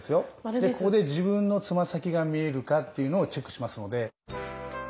でここで自分のつま先が見えるかっていうのをチェックしますので。